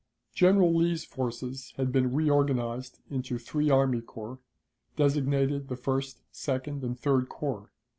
General Lee's forces had been reorganized into three army corps, designated the First, Second, and Third Corps.